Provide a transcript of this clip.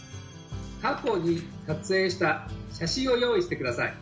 過去に撮影した写真を用意して下さい。